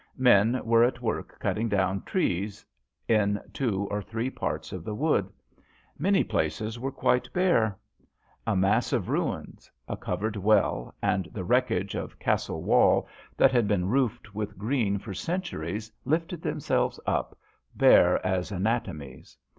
Men were at work cutting down trees in two or three parts of the wood. Many places were quite bare. A mass of ruins a covered well, and the wreckage of castle wall 1 66 JOHN SHERMAN. that had been roofed with green for centuries lifted themselves up, bare as anatomies.